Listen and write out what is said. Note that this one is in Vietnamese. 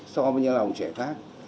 so với những lao động trẻ khác